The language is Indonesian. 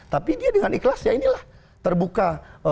tapi dia dengan ikhlas ya inilah terbuka